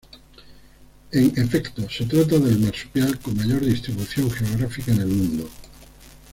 En efecto, se trata del marsupial con mayor distribución geográfica en el mundo.